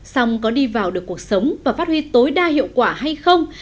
xong có đi vào được cuộc sống và phát huy tối đa hiệu quả hay không